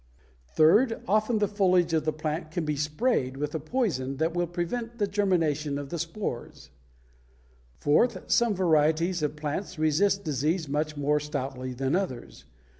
Third, often the foliage of the plant can be sprayed with a poison that will prevent the germination of the spores (see pp. 138 140). Fourth, some varieties of plants resist disease much more stoutly than others.